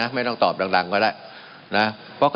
มันมีมาต่อเนื่องมีเหตุการณ์ที่ไม่เคยเกิดขึ้น